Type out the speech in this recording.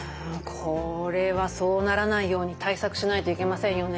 これはそうならないように対策しないといけませんよね。